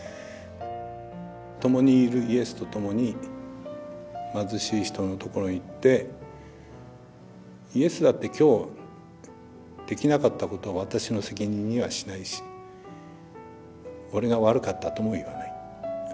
ともにいるイエスとともに貧しい人のところに行ってイエスだって今日できなかったことを私の責任にはしないし俺が悪かったとも言わない。